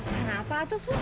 kenapa tuh bu